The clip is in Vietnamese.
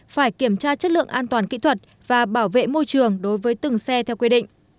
phải kiểm tra chất lượng an toàn kỹ thuật và bảo vệ môi trường đối với từng xe theo quy định